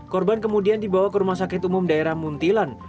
korban kemudian dibawa ke rumah sakit umum daerah muntilan